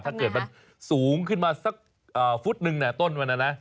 ถ้าเกิดมันสูงขึ้นมาสักฟุตนึงต้นมันนะนะ